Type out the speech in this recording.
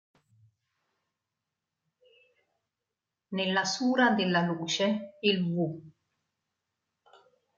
Nella sura "della Luce" il v.